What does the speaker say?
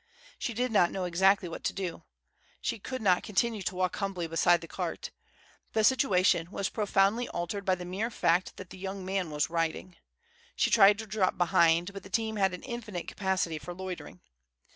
She did not know exactly what to do. She could not continue to walk humbly beside the cart. The situation was profoundly altered by the mere fact that the young man was riding. She tried to drop behind; but the team had an infinite capacity for loitering.